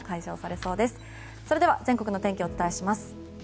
それでは全国の天気をお伝えします。